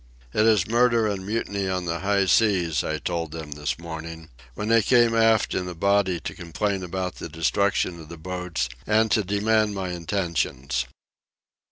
"It is murder and mutiny on the high seas," I told them this morning, when they came aft in a body to complain about the destruction of the boats and to demand my intentions.